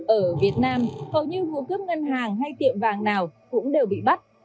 ở việt nam hầu như vụ cướp ngân hàng hay tiệm vàng nào cũng đều bị bắt